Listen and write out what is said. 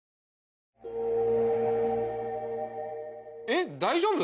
えっ大丈夫？